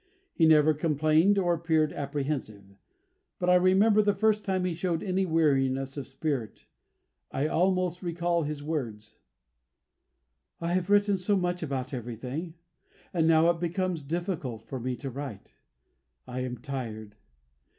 He never complained or appeared apprehensive, but I remember the first time he showed any weariness of spirit. I almost recall his words: "I have written so much about everything, that now it becomes difficult for me to write. I am tired."